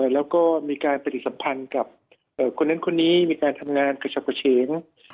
แล้วก็มีการปฏิสัมพันธ์กับคนนั้นคนนี้มีการทำงานกระฉับกระเฉง